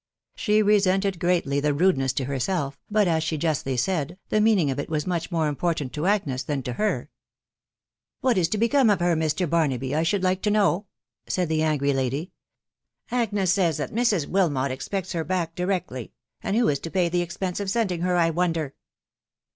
She resented greatly the rudeness to herself, but, as she justly said, the meaning of it was much more important to Agnes than to her. " What is to become of her, Mr. Barnaby, I should like to know ?".... said the angry lady. " Agnes says that Mrs. Wilmot expects her back directly, and who is to pay the ex pense of sending her, I wonder